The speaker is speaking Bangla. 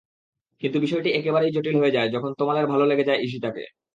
কিন্তু বিষয়টি একেবারেই জটিল হয়ে যায় যখন তমালের ভালো লেগে যায় ঈষিতাকে।